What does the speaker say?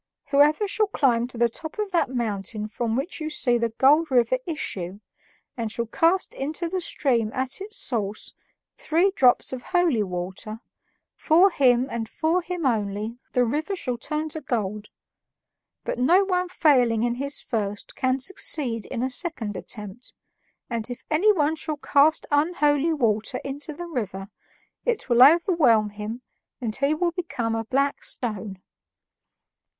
Whoever shall climb to the top of that mountain from which you see the Golden River issue, and shall cast into the stream at its source three drops of holy water, for him and for him only the river shall turn to gold. But no one failing in his first can succeed in a second attempt, and if anyone shall cast unholy water into the river, it will overwhelm him and he will become a black stone."